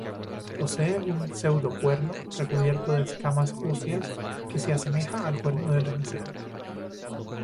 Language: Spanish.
Posee un pseudo-cuerno recubierto de escamas óseas que se asemeja al cuerno del rinoceronte.